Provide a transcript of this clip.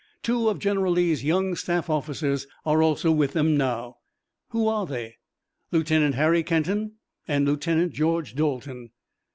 Two of General Lee's young staff officers are also with them now." "Who are they?" "Lieutenant Harry Kenton and Lieutenant George Dalton."